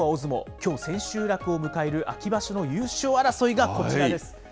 きょう千秋楽を迎える秋場所の優勝争いがこちらです。